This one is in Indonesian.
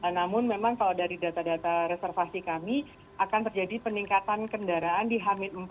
namun memang kalau dari data data reservasi kami akan terjadi peningkatan kendaraan di h empat